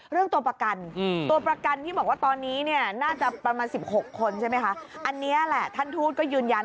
เรื่องตัวประกัน